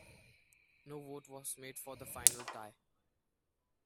No vote was made for the final tie.